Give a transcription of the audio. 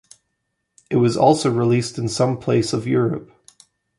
It was also released in some place of Europe.